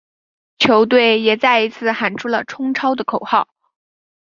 球队也再一次喊出了冲超口号。